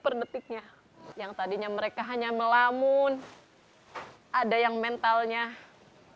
perdetiknya yang tadinya mereka hanya melamun ada yang mentalnya dong karena ditinggal ayah